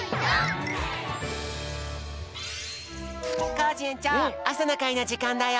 コージえんちょうあさのかいのじかんだよ。